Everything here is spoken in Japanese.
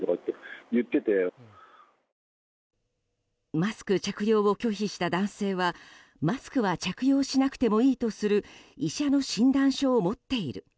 マスク着用を拒否した男性はマスクは着用しなくてもいいとする医者の診断書を持っている。